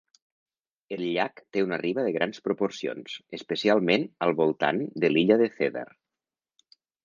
El llac té una riba de grans proporcions, especialment al voltant de l'illa de Cedar.